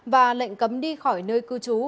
và lệnh cấm đi khỏi nơi cư trú